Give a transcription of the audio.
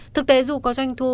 thực tế dù có doanh thu